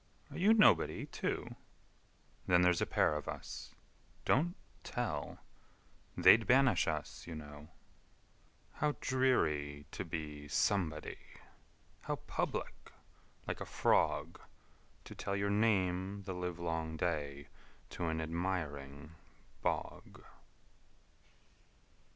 Are you nobody, too? Then there 's a pair of us—don't tell! They 'd banish us, you know. How dreary to be somebody! How public, like a frogTo tell your name the livelong dayTo an admiring bog!